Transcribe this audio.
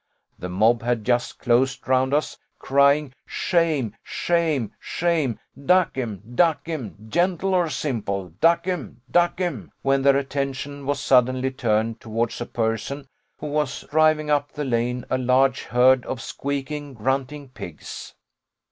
The mob had just closed round us, crying, 'Shame! shame! shame! duck 'em duck 'em gentle or simple duck 'em duck 'em' when their attention was suddenly turned towards a person who was driving up the lane a large herd of squeaking, grunting pigs.